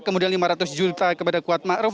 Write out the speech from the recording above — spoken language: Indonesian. kemudian rp lima ratus juta kepada kuat ma'ruf